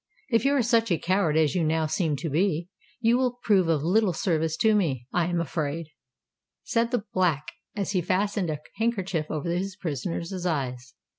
"If you are such a coward as you now seem to be, you will prove of little service to me, I am afraid," said the Black, as he fastened a handkerchief over his prisoner's eyes.